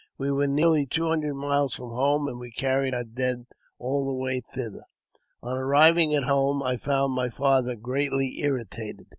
We were nearly two hundred miles from home, and we carried our dead all .the way thither. On arriving at home, I found my father greatly irritated.